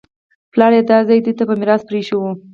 پلار یې دا ځای دوی ته په میراث پرېښی و